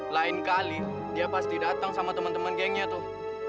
lain kali dia pasti datang sama teman teman gengnya tuh